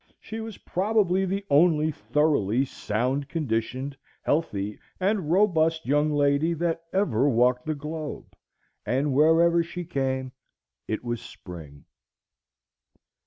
She was probably the only thoroughly sound conditioned, healthy, and robust young lady that ever walked the globe, and wherever she came it was spring.